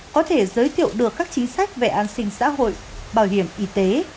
có thể giới thiệu được các chính sách về an sinh xã hội bảo hiểm y tế